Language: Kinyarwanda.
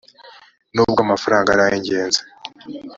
nubwo amafaranga ari ay ingenzi